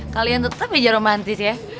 kalian tetep hijau romantis ya